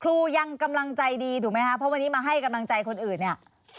ยังกำลังใจดีถูกไหมคะเพราะวันนี้มาให้กำลังใจคนอื่นเนี่ย